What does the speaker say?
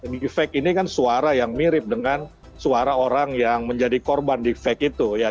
defect ini kan suara yang mirip dengan suara orang yang menjadi korban deefek itu ya